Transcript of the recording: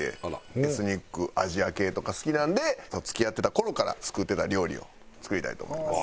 エスニックアジア系とか好きなんで付き合ってた頃から作ってた料理を作りたいと思います。